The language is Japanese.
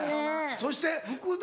そして福田